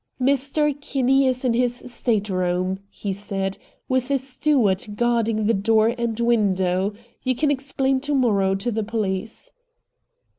"Mr. Kinney is in his state room," he said, "with a steward guarding the door and window. You can explain to morrow to the police."